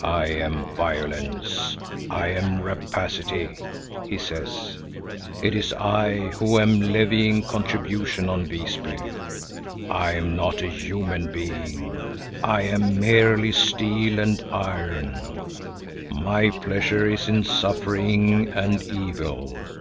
"I am Violence; I am Rapacity," he says. "It is I who am levying contribution on Visby. I am not a human being; I am merely steel and iron. My pleasure is in suffering and evil.